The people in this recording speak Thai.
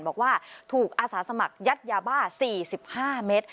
บอกว่าถูกอาศาสมัครยัดยาบ้าห้ามเมตร๔๕เม็ด